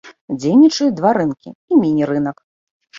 Дзейнічаюць два рынкі і міні-рынак.